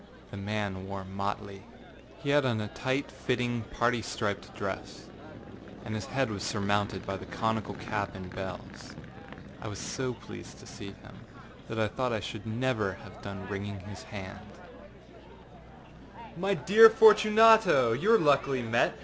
The man wore motley. He had on a tight fitting parti striped dress, and his head was surmounted by the conical cap and bells. I was so pleased to see him, that I thought I should never have done wringing his hand. I said to him: âMy dear Fortunato, you are luckily met.